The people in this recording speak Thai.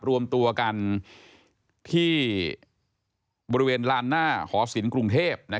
รวมตัวกันที่บริเวณลานหน้าหอศิลป์กรุงเทพ